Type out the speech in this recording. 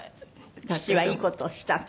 父はいい事をしたと。